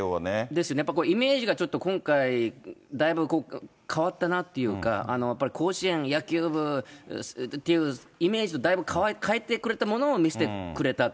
ですね、やっぱりイメージが今回、だいぶ変わったなというか、やっぱり甲子園、野球部っていうイメージをだいぶ変えてくれたものを見せてくれたと。